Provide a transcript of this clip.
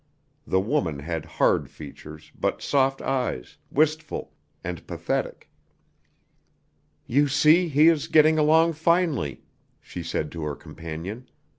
The woman had hard features, but soft eyes, wistful, and pathetic. "You see, he is getting along finely," she said to her companion.